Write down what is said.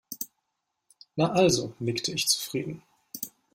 Na also, nickte ich zufrieden.